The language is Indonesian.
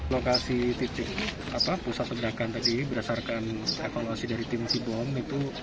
lokasi titik pusat pergerakan tadi berdasarkan evaluasi dari tim si bom itu